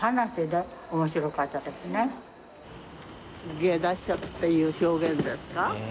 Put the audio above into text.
芸達者っていう表現ですか？